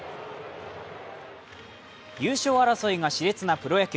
優勝争いがしれつなプロ野球。